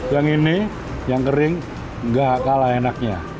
yang ini yang kering nggak kalah enaknya